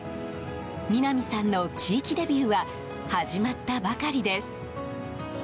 南さんの地域デビューは始まったばかりです。